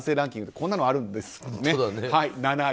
こんなのあるんですね、７位。